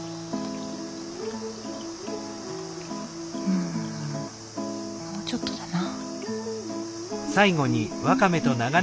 うんもうちょっとだな。